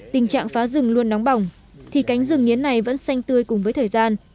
tình trạng phá rừng luôn nóng bỏng thì cánh rừng nghiến này vẫn xanh tươi cùng với thời gian